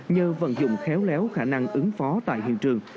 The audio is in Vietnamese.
như vận dụng khéo léo khả năng ứng phó tại hiện trường